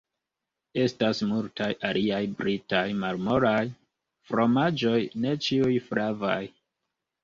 Estas multaj aliaj britaj malmolaj fromaĝoj, ne ĉiuj flavaj.